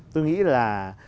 tôi nghĩ là